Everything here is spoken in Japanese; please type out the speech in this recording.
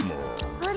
あれ？